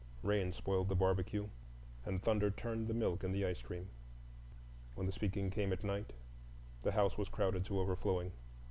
Rain spoiled the barbecue, and thunder turned the milk in the ice cream. When the speaking came at night, the house was crowded to overflowing.